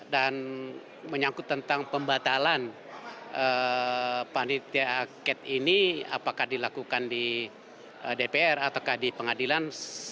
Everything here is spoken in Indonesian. dan menyangkut tentang pembatalan panitia angket ini apakah dilakukan di dpr atau di pengadilan